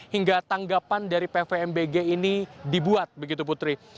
hingga tanggapan dari pvmbg ini dibuat begitu putri